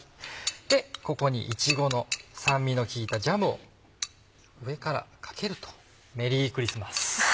でここにいちごの酸味の効いたジャムを上からかけるとメリークリスマス。